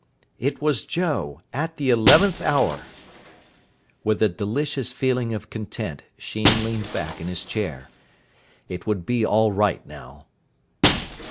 It was Joe at the eleventh hour. With a delicious feeling of content Sheen leaned back in his chair. It would be all right now.